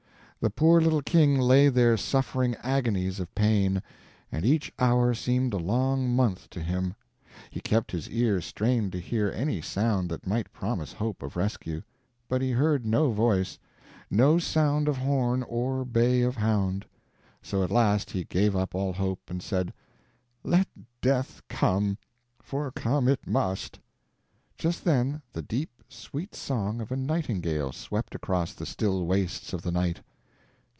The poor little king lay there suffering agonies of pain, and each hour seemed a long month to him. He kept his ear strained to hear any sound that might promise hope of rescue; but he heard no voice, no sound of horn or bay of hound. So at last he gave up all hope, and said, "Let death come, for come it must." Just then the deep, sweet song of a nightingale swept across the still wastes of the night.